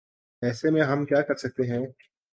ایسے میں ہم کیا کر سکتے ہیں ۔